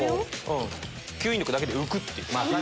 吸引力だけで浮くっていう。